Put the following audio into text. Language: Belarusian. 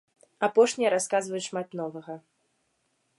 Апошнія расказваюць шмат новага.